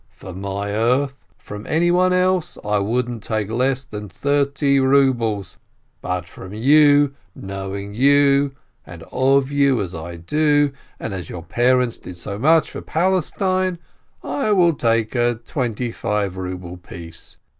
"For my earth? From anyone else I wouldn't take less than thirty rubles, but from you, knowing you and of you as I do, and as your parents did so much for Palestine, I will take a twenty five ruble piece.